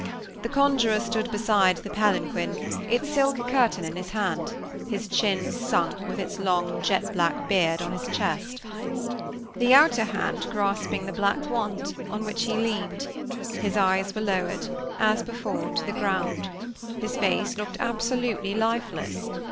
The conjuror stood beside the palanquin, its silk curtain in his hand; his chin sunk, with its long, jet black beard, on his chest; the outer hand grasping the black wand, on which he leaned; his eyes were lowered, as before, to the ground; his face looked absolutely lifeless.